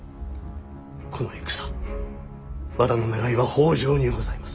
この戦和田の狙いは北条にございます。